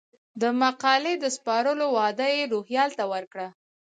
د مقالې د سپارلو وعده یې روهیال ته وکړه.